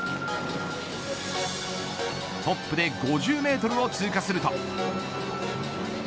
トップで５０メートルを通過すると。